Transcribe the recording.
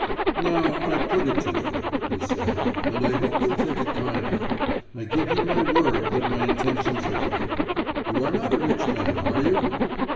"Now, I put it to you," he said, "and I hope you'll take it kindly. I give you my word that my intentions are good. You are not a rich man, are you?"